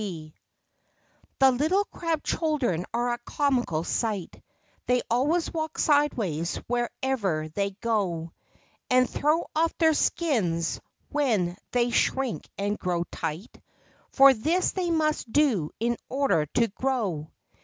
C he little crab children are a comical sight; They always walk sideways wherever they go, And throw off their skins when they shrink and grow tight, For this they must do in order to grow.